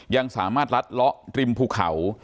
ยังสามารถล็อดดริมพูเขา